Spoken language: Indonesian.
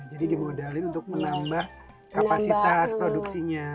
jadi dimodalin untuk menambah kapasitas produksinya